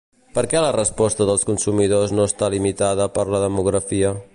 Per què la resposta dels consumidors no està limitada per la demografia?